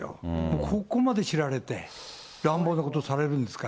ここまで知られて、乱暴なことされるんですから。